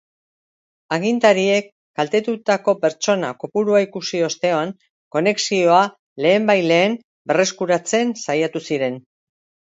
Agintariek, kaltetutako pertsona kopurua ikusi ostean, konexioa lehenbailehen berreskuratzen saiatu ziren.